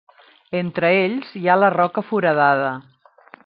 Entre ells hi ha la Roca Foradada.